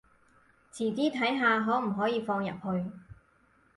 遲啲睇下可唔可以放入去